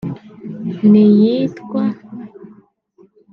n’iyitwa